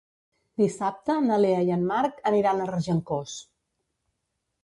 Dissabte na Lea i en Marc aniran a Regencós.